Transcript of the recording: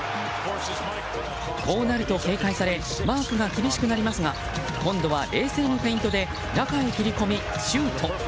こうなると警戒されマークが厳しくなりますが今度は、冷静なフェイントで中へ切り込みシュート。